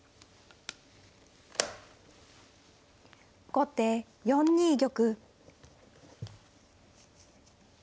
後手４二玉。